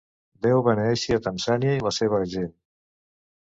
Déu beneeixi a Tanzània i la seva gent!